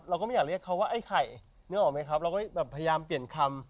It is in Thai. เราก็ไม่อยากเรียกเขาว่าไอ้ไข่นึกออกไหมครับเราก็แบบพยายามเปลี่ยนคำ